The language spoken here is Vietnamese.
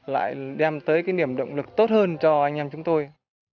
lại đem tới cái niềm động lực tốt hơn cho anh em chúng tôi